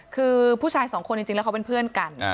คือผู้ชายสองคนจริงแล้วเขาเป็นเพื่อนกัน